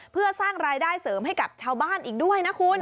เพื่อสร้างรายได้เสริมให้กับชาวบ้านอีกด้วยนะคุณ